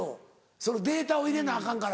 そのデータを入れなアカンから。